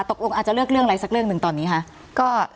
ตกลงอาจจะเลือกเรื่องอะไรสักเรื่องหนึ่งตอนนี้คะ